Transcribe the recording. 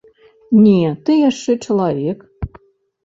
Не, ты яшчэ чалавек!